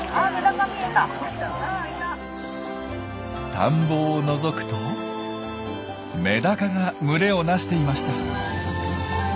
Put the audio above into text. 田んぼをのぞくとメダカが群れをなしていました。